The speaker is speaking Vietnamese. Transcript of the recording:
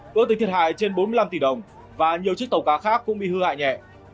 ước tính thiệt hại trên bốn mươi năm tỷ đồng và nhiều chiếc tàu cá khác cũng bị hư hại nhẹ